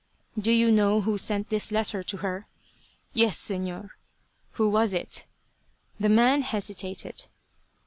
"Do you know who sent this letter to her?" "Yes, Señor." "Who was it?" The man hesitated.